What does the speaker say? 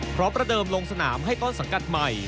ประเดิมลงสนามให้ต้นสังกัดใหม่